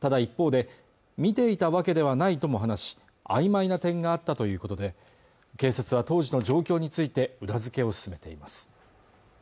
ただ一方で見ていたわけではないとも話し、あいまいな点があったということで警察は当時の状況について裏づけを進めています